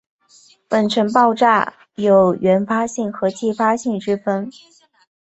粉尘爆炸有原发性和继发性之分。